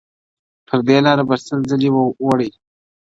پر دې لاره به یې سل ځلی وه وړي،